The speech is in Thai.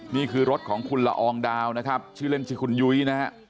นี่คือรถของคุณละอองดาวนะครับชื่อเล่นชื่อคุณยุ้ยนะฮะ